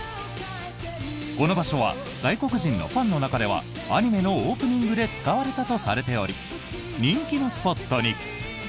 この場所は外国人のファンの中ではアニメのオープニングで使われたとされており人気のスポットに。